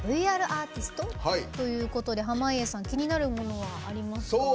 「ＶＲアーティスト」ということで濱家さん気になるものはありますか？